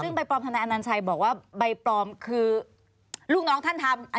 ซึ่งใบปลอมทนายอนัญชัยบอกว่าใบปลอมคือลูกน้องท่านทำ